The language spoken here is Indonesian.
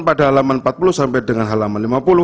pada halaman empat puluh sampai dengan ke sepuluh